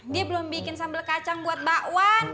dia belum bikin sambal kacang buat mbak wan